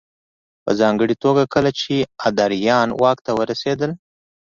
په ځانګړې توګه کله چې ادریان واک ته ورسېدل